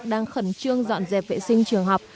đang khẩn trương dọn dẹp vệ sinh trường học